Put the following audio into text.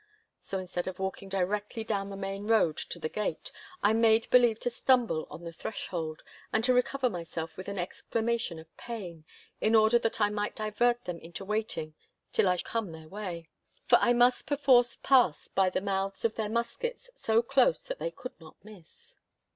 So instead of walking directly down the main road to the gate, I made believe to stumble on the threshold, and to recover myself with an exclamation of pain, in order that I might divert them into waiting till I should come their way. For I must perforce pass by the mouths of their muskets so close that they could not miss.